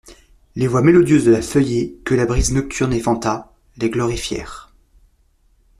Les voix mélodieuses de la feuillée, que la brise nocturne éventa, les glorifièrent.